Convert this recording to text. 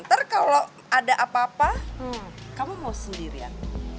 ntar kalau ada apa apa kamu mau sendirian